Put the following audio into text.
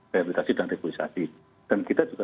repotetasi dan reputasi dan kita juga